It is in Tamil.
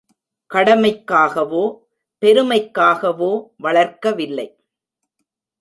கடமைக்காகவோ, பெருமைக்காகவோ வளர்க்கவில்லை.